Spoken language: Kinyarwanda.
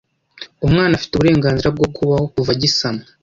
umwana afite uburenganzira bwo kubaho kuva agisamwa.